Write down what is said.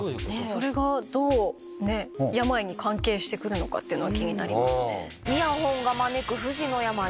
それがどう病に関係してくるのか気になりますね。